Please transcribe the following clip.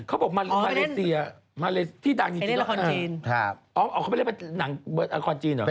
เขาบอกมาเล่นที่ดังจีนอ๋อเขาไปเล่นละครจีนเหรอ